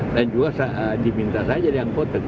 dan juga diminta saja diangkut